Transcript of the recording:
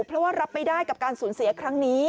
เพราะว่ารับไม่ได้กับการสูญเสียครั้งนี้